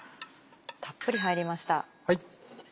たっぷり入りました。